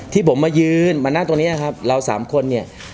ที่ผมมายืนมานั่งตรงนี้ครับเราสามคนเนี่ย